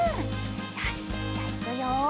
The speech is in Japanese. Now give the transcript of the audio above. よしじゃいくよ！